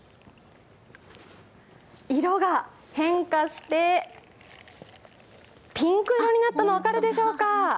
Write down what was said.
色が変化して、ピンク色になったの分かるでしょうか？